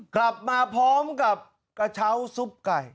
กลับมาพร้อมกับกระเช้าซุปไก่